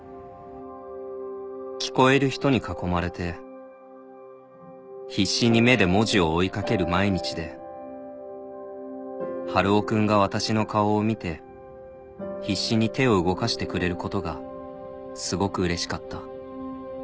「聞こえる人に囲まれて必死に目で文字を追い掛ける毎日で春尾君が私の顔を見て必死に手を動かしてくれることがすごくうれしかった」